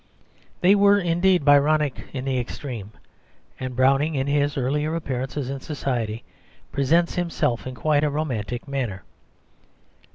They were indeed Byronic in the extreme, and Browning in his earlier appearances in society presents himself in quite a romantic manner.